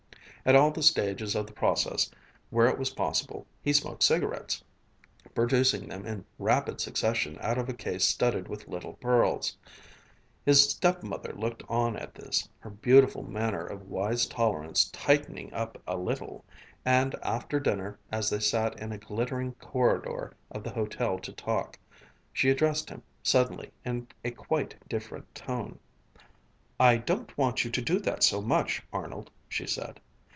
At all the stages of the process where it was possible, he smoked cigarettes, producing them in rapid succession out of a case studded with little pearls. His stepmother looked on at this, her beautiful manner of wise tolerance tightening up a little, and after dinner, as they sat in a glittering corridor of the hotel to talk, she addressed him suddenly in a quite different tone. "I don't want you to do that so much, Arnold," she said.